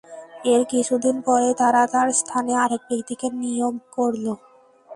এর কিছুদিন পরেই তারা তার স্থানে আরেক ব্যক্তিকে নিয়োগ করল।